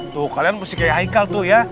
tuh kalian mesti kayak haikal tuh ya